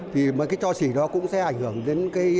thì mấy cái cho xỉ đó cũng sẽ ảnh hưởng đến cái